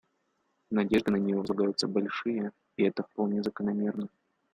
Надежды на нее возлагаются большие, и это вполне закономерно.